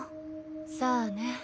さあね。